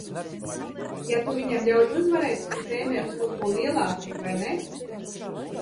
Ja tu viņam ļauj uzvarēt, tu tēmē uz kaut ko lielāku, vai ne?